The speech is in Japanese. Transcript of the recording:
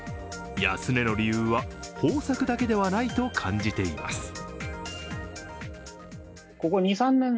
安値の理由は豊作だけではないと感じています。